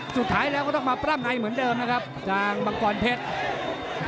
สุดท้ายแล้วก็ต้องมาปล้ำในเหมือนเดิมนะครับทางมังกรเพชร